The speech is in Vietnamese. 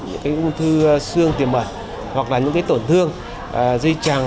những ung thư xương tiềm mẩn hoặc là những tổn thương dây chằng